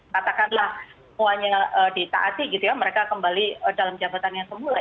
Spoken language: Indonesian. katakanlah semuanya ditaati gitu ya mereka kembali dalam jabatan yang semula